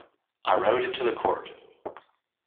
I rode into the court.